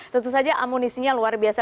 tentu saja amunisinya luar biasa